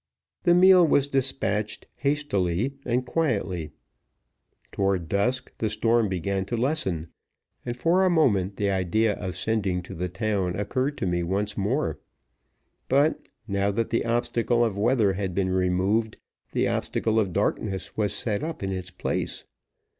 The meal was dispatched hastily and quietly. Toward dusk the storm began to lessen, and for a moment the idea of sending to the town occurred to me once more. But, now that the obstacle of weather had been removed, the obstacle of darkness was set up in its place.